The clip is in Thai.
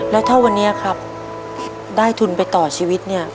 แล้วถ้าวันนี้ครับได้ทุนไปต่อชีวิตเนี่ย